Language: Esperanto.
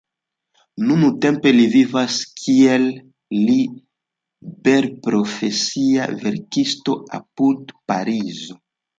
Nuntempe li vivas kiel liberprofesia verkisto apud Parizo.